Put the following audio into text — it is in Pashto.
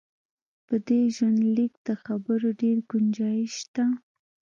په دې ژوندلیک د خبرو ډېر ګنجایش شته.